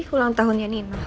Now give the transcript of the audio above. ulang tahunnya nino